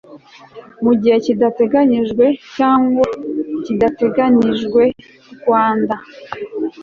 mu gihe giteganyijwe cyangwa kidateganyijwe rwanda